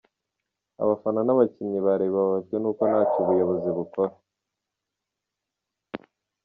Abafana n’abakinnyi ba Rayon bababajwe n’uko nta cyo ubuyobozi bukora.